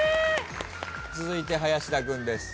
続いて林田君です。